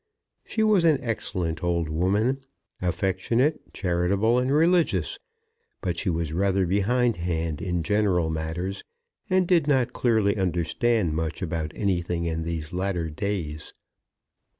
She was an excellent old woman, affectionate, charitable, and religious; but she was rather behindhand in general matters, and did not clearly understand much about anything in these latter days.